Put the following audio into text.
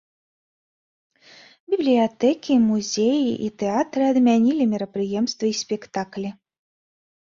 Бібліятэкі, музеі і тэатры адмянілі мерапрыемствы і спектаклі.